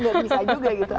gak bisa juga gitu